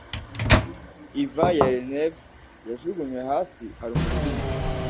Ivan Yerineev yajugunywe hasi aruma ururimi